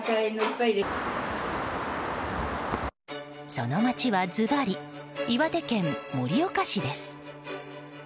その町はずばり、岩手県盛岡市です。